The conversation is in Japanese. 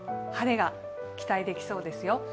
晴れが期待できそうですよ。